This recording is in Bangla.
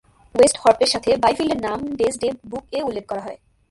ওয়েস্টহর্পের সাথে বাইফিল্ডের নাম "ডেজডে বুক"-এ উল্লেখ করা হয়।